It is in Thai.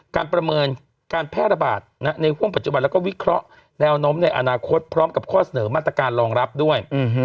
ประเมินการแพร่ระบาดในห่วงปัจจุบันแล้วก็วิเคราะห์แนวโน้มในอนาคตพร้อมกับข้อเสนอมาตรการรองรับด้วย